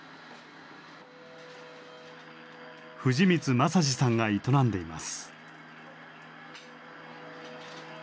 藤満正治さんが営んでいます。